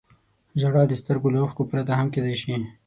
• ژړا د سترګو له اوښکو پرته هم کېدای شي.